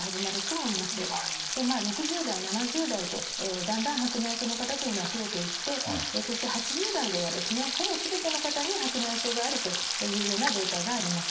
まあ６０代７０代とだんだん白内障の方というのは増えていってそして８０代ではですねほぼ全ての方に白内障があるというようなデータがあります。